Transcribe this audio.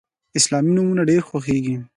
اسلامي نومونه ډیر خوښیږي.